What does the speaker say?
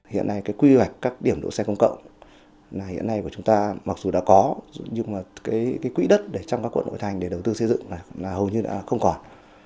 hiện nay quy hoạch các điểm đỗ xe công cộng hiện nay của chúng ta mặc dù đã có nhưng quỹ đất trong các quận hội thành để đầu tư xây dựng hầu như đã không còn